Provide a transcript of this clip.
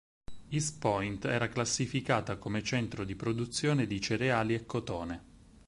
East Point era classificata come centro di produzione di cereali e cotone.